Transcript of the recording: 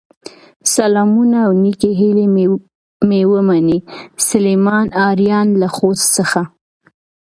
سلامونه او نیکې هیلې مې ومنئ، سليمان آرین له خوست څخه